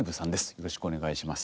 よろしくお願いします。